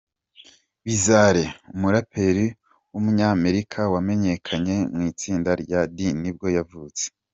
Bizarre, umuraperi w’umunyamerika wamenyekanye mu itsinda rya D nibwo yavutse.